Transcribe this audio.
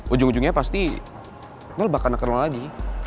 ujung ujungnya pasti mel bakal neken lo lagi